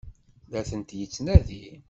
La tent-yettnadi?